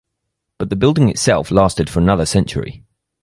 But the building itself lasted for another century.